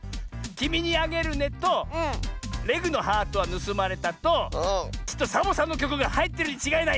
「きみにあげるね」と「レグのハートがぬすまれた！」ときっとサボさんのきょくがはいってるにちがいない。